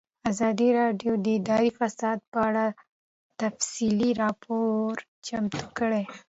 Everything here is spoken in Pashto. ازادي راډیو د اداري فساد په اړه تفصیلي راپور چمتو کړی.